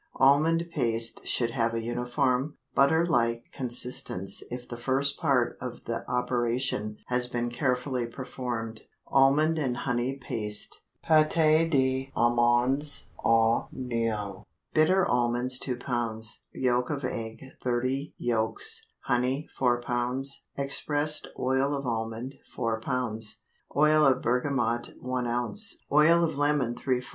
Almond paste should have a uniform, butter like consistence if the first part of the operation has been carefully performed. ALMOND AND HONEY PASTE (PÂTE D'AMANDES AU MIEL). Bitter almonds 2 lb. Yolk of egg 30 yolks. Honey 4 lb. Expressed oil of almond 4 lb. Oil of bergamot 1 oz. Oil of lemon ¾ oz.